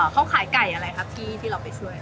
เขาขายไก่อะไรครับกี้ที่เราไปช่วย